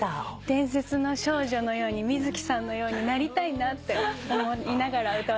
伝説の少女のように観月さんのようになりたいなって思いながら歌わせていただきました。